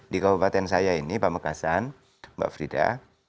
di kabupaten saya ini pak mekasan mbak frida